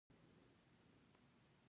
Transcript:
تر دې مخکې موجود کلي کوچني و.